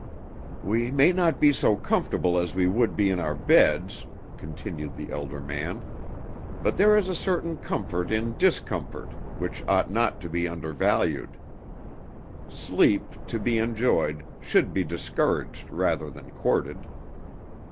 "We may not be so comfortable as we would be in our beds," continued the elder man, "but there is a certain comfort in discomfort which ought not to be undervalued. Sleep, to be enjoyed, should be discouraged rather than courted."